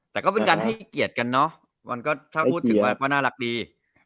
แต่ก็เป็นการให้เกียรติกันเนาะถ้าพูดถึงแบบนี้ก็น่ารักดี